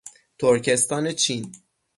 ترکستان چین